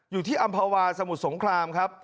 อยู่ที่อำภาวะสมุดสงคราม